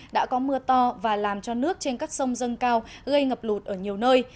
đã có mưa to và làm cho nước trên các sông dâng cao gây ngập lụt ở nhiều nơi